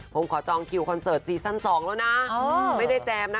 ผมขอจองคิวคอนเสิร์ตซีซั่น๒แล้วนะไม่ได้แจมนะ